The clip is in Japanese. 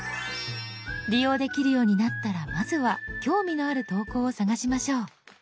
利用できるようになったらまずは興味のある投稿を探しましょう。